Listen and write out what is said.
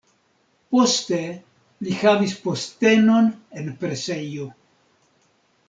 Poste li havis postenon en presejo.